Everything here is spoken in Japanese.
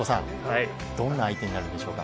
どんな相手になるでしょうか？